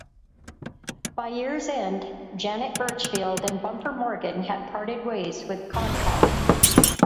By year's end, Janet Birchfield and Bumper Morgan had parted ways with CodComm.